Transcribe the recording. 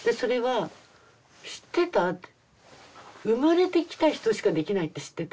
「生まれてきた人しかできないって知ってた？」